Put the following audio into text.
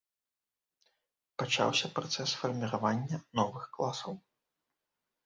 Пачаўся працэс фарміравання новых класаў.